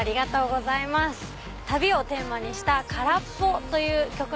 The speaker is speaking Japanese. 「旅」をテーマにした『空っぽ』という曲。